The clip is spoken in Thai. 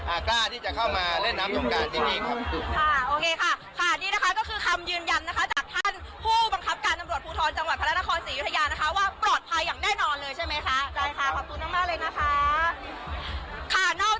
อ่ากล้าที่จะเข้ามาเล่นน้ำสงการที่นี่ครับค่ะโอเคค่ะค่ะนี่นะคะก็คือคำยืนยันนะคะ